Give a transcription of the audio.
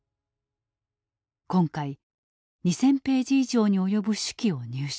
今回２，０００ページ以上に及ぶ手記を入手。